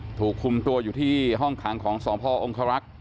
นี่ฮะถูกคุมตัวอยู่ที่ห้องคางของสองพ่อองค์ฮารักษณ์